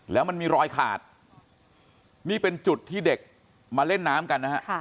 แล้วมันมีรอยขาดนี่เป็นจุดที่เด็กมาเล่นน้ำกันนะฮะ